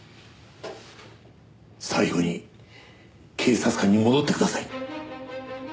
最後に警察官に戻ってください。